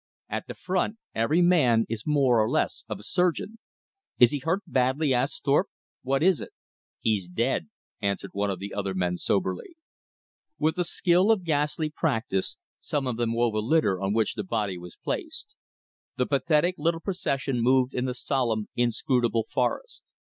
At the front every man is more or less of a surgeon. "Is he hurt badly?" asked Thorpe; "what is it?" "He's dead," answered one of the other men soberly. With the skill of ghastly practice some of them wove a litter on which the body was placed. The pathetic little procession moved in the solemn, inscrutable forest.